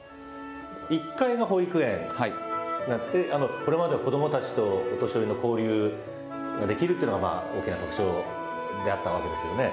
これまでは子どもたちとお年寄りの交流ができるというのが、大きな特徴であったわけですよね。